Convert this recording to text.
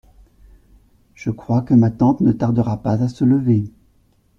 Je crois que ma tante ne tardera pas à se lever.